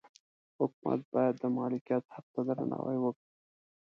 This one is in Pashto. حکومت باید د مالکیت حق ته درناوی وکړي.